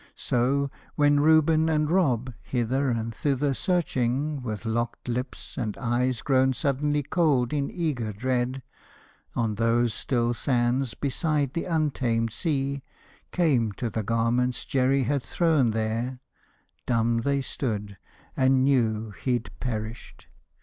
So, when Reuben and Rob, Hither and thither searching, with locked lips And eyes grown suddenly cold in eager dread, On those still sands beside the untamed sea, Came to the garments Jerry had thrown there, dumb They stood, and knew he'd perished.